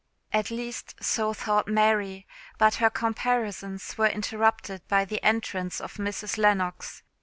At least, so thought Mary; but her comparisons were interrupted by the entrance of Mrs. Lennox.